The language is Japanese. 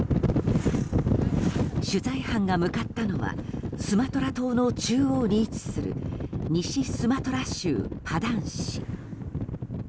取材班が向かったのはスマトラ島の中央に位置する西スマトラ州パダン市。